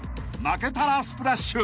［負けたらスプラッシュ］